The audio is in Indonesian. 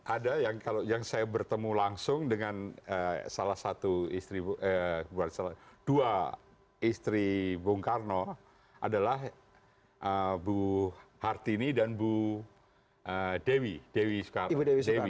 ada yang saya bertemu langsung dengan dua istri bung karno adalah bu hartini dan bu dewi soekarno